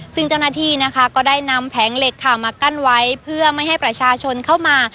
ซึ่งเจ้าหน้าที่นะคะก็ได้นำแผงเหล็กค่ะมากั้นไว้เพื่อไม่ให้ประชาชนเข้ามา